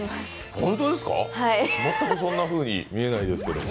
ホントですか、全くそんなふうに見えないですけども。